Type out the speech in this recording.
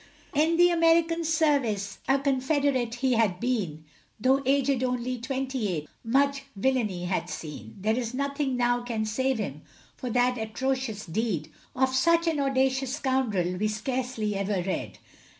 In the American service, A Confederate, he had been, Though aged only twenty eight, Much villany had seen; There is nothing now can save him, For that atrocious deed. Of such an audacious scoundrel We scarcely ever read.